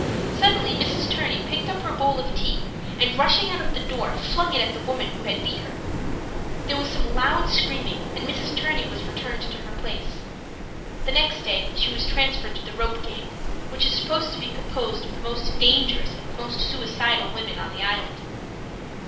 Suddenly Mrs. Turney picked up her bowl of tea, and, rushing out of the door flung it at the woman who had beat her. There was some loud screaming and Mrs. Turney was returned to her place. The next day she was transferred to the "rope gang," which is supposed to be composed of the most dangerous and most suicidal women on the island.